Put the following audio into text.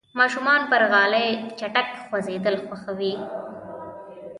ماشومان پر غالۍ چټک خوځېدل خوښوي.